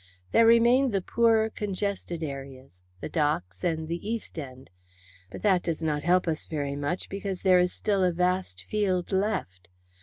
There remain the poorer congested areas, the docks, and the East End. But that does not help us very much, because there is still a vast field left.